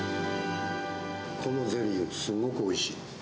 このゼリー、すごくおいしい。